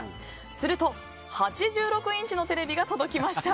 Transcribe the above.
すると、８６インチのテレビが届きました。